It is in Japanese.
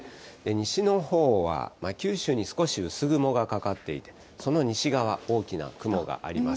西のほうは九州に少し薄雲がかかっていて、その西側、大きな雲があります。